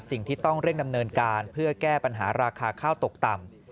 สิ่งที่ต้องเร่งดำเนินการเพื่อแก้ปัญหาราคาข้าวตกต่ำ